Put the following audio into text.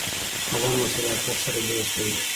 قلم له صداقت سره دوست دی